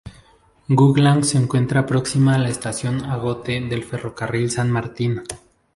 Gowland se encuentra próxima a la estación Agote del Ferrocarril San Martín.